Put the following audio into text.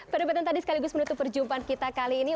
pada pertanyaan tadi sekaligus menutup perjumpaan kita kali ini